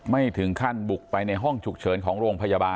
ไม่ถึงขั้นบุกไปในห้องฉุกเฉินของโรงพยาบาล